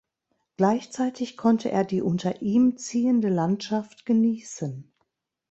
Gleichzeitig konnte er die unter ihm ziehende Landschaft genießen.